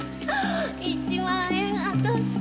１万円当たった。